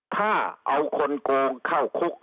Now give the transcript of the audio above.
ถ้าเอาคนโกงเข้าคุก